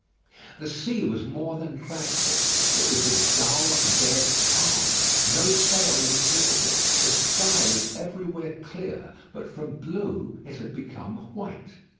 The sea was more than tranquil. It was a dull dead calm. No sail was visible. The sky was everywhere clear; but from blue it had become white.